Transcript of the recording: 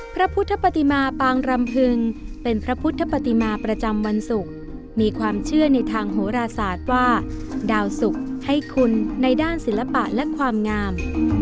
พระพุทธปฏิมาปางรำพึงเป็นพระพุทธปฏิมาประจำวันศุกร์มีความเชื่อในทางโหราศาสตร์ว่าดาวสุกให้คุณในด้านศิลปะและความงาม